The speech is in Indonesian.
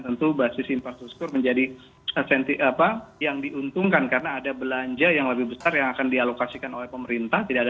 tentu basis infrastruktur menjadi yang diuntungkan karena ada belanja yang lebih besar yang akan dialokasikan oleh pemerintah